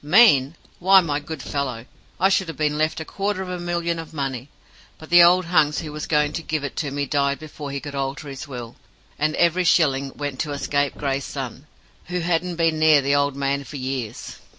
"Mean! Why, my good fellow, I should have been left a quarter of a million of money, but the old hunks who was going to give it to me died before he could alter his will, and every shilling went to a scapegrace son, who hadn't been near the old man for years.